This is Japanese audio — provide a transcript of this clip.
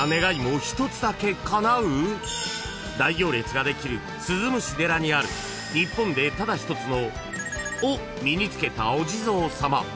［大行列ができる鈴虫寺にある日本でただ一つのを身につけたお地蔵さま］